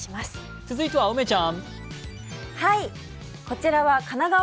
続いては梅ちゃん。